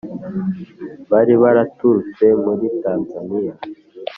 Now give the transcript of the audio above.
bari baraturutse muri Tanzaniya